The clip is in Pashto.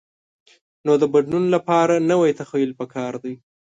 نو د بدلون لپاره نوی تخیل پکار دی.